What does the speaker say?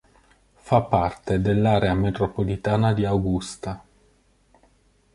Fa parte dell'area metropolitana di Augusta.